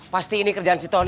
pasti ini kerjaan si tony